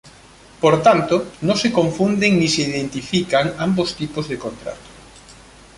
Por tanto, no se confunden ni se identifican ambos tipos de contratos.